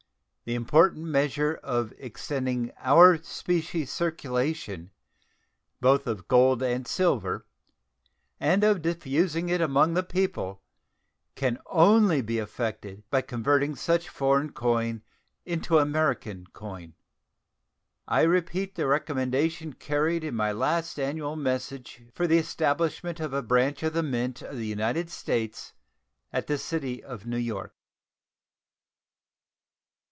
The important measure of extending our specie circulation, both of gold and silver, and of diffusing it among the people can only be effected by converting such foreign coin into American coin. I repeat the recommendation contained in my last annual message for the establishment of a branch of the Mint of the United States at the city of New York.